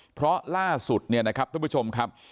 เพราะล่าสุดเนี่ยนะครับท่านผู้ชมครับ